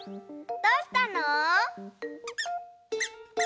どうしたの？